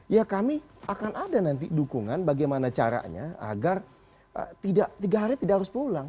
ya kami akan ada nanti dukungan bagaimana caranya agar tiga hari tidak harus pulang